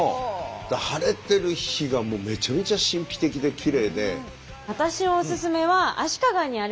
晴れてる日がもうめちゃめちゃ神秘的できれいで。